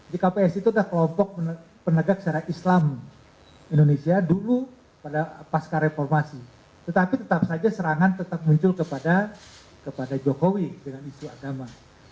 jadi kpsi itu adalah kelompok penegak secara islam indonesia dulu pada pasca reformasi tetapi tetap saja serangan tetap muncul kepada jokowi dengan isu agama